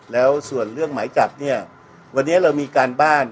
แล้วส่วนเรื่องหมายจับเนี่ยวันนี้เรามีการบ้าน